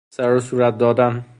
سروصورت دادن